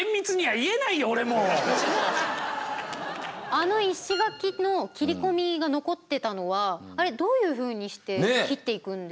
あの石垣の切り込みが残ってたのはあれどういうふうにして切っていくんですか。